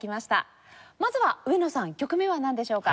まずは上野さん１曲目はなんでしょうか？